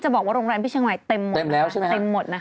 บอกว่าโรงแรมพี่เชียงใหม่เต็มหมดนะฮะ